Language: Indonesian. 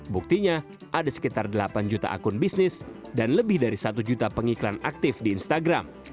buktinya ada sekitar delapan juta akun bisnis dan lebih dari satu juta pengiklan aktif di instagram